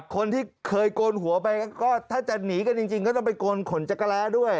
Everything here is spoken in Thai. คนที่เคยโกนหัวไปก็ถ้าจะหนีกันจริงก็ต้องไปโกนขนจักรแร้ด้วย